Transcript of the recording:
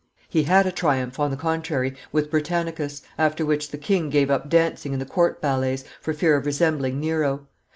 He had a triumph, on the contrary, with Britannicus, after which the, king gave up dancing in the court ballets, for fear of resembling Nero.